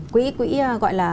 quỹ gọi là